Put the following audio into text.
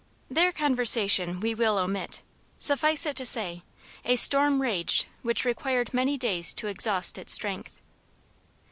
Their conversation we will omit; suffice it to say, a storm raged which required many days to exhaust its strength.